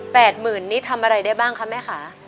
หมื่นนี้ทำอะไรได้บ้างคะแม่ค่ะ